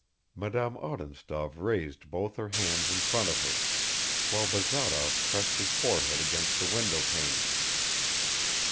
Madame Odintsov raised both her hands in front of her, while Bazarov pressed his forehead against the windowpane.